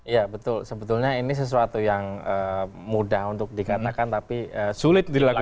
ya betul sebetulnya ini sesuatu yang mudah untuk dikatakan tapi sulit dilakukan